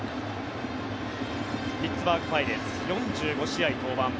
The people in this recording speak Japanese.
ピッツバーグ・パイレーツ４５試合登板。